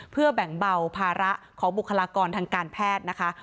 เพื่อแบ่งเบาภาระของบุคลากรทางการแพทย์นะคะ